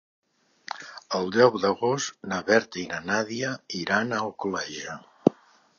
El deu d'agost na Berta i na Nàdia iran a Alcoleja.